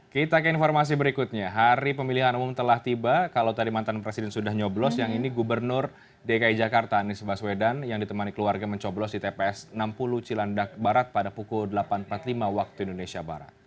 kita ke informasi berikutnya hari pemilihan umum telah tiba kalau tadi mantan presiden sudah nyoblos yang ini gubernur dki jakarta anies baswedan yang ditemani keluarga mencoblos di tps enam puluh cilandak barat pada pukul delapan empat puluh lima waktu indonesia barat